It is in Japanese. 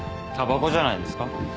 たばこじゃないですか？